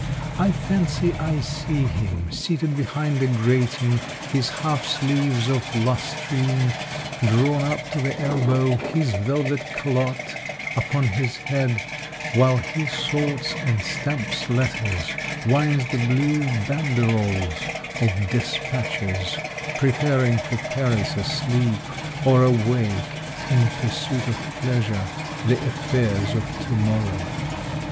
I fancy I see him, 234 Monday Tales, seated behind a grating, his half sleeves of lustrine drawn up to the elbow, his velvet calotte upon his head, while he sorts and stamps letters, winds the blue banderoles of despatches, preparing for Paris asleep, or awake in pursuit of pleasure, the affairs of to morrow.